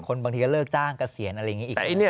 บางทีก็เลิกจ้างเกษียณอะไรอย่างนี้อีก